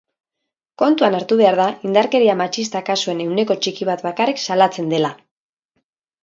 Kontuan hartu behar da indarkeria matxista kasuen ehuneko txiki bat bakarrik salatzen dela.